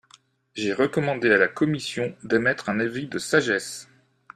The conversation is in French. J’ai recommandé à la commission d’émettre un avis de sagesse.